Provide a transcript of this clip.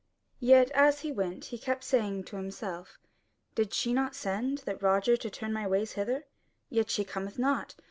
Yet as he went, he kept saying to himself: "Did she not send that Roger to turn my ways hither? yet she cometh not.